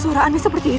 tuhan yang terbaik